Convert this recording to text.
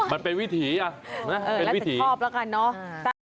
มันเป็นวิถีแล้วจะชอบแล้วกันเนาะ